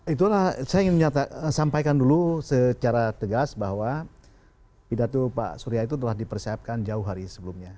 itulah saya ingin menyampaikan dulu secara tegas bahwa pidato pak surya itu telah dipersiapkan jauh hari sebelumnya